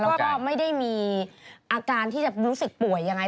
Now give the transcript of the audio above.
แล้วก็ไม่ได้มีอาการที่จะรู้สึกป่วยยังไง